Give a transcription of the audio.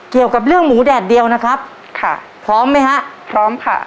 เกี่ยวกับเรื่องหมูแดดเดียวนะครับค่ะพร้อมไหมฮะพร้อมค่ะ